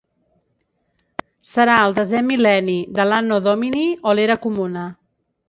Serà el desè mil·lenni de l'Anno Domini o l'Era Comuna.